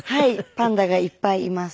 パンダがいっぱいいます。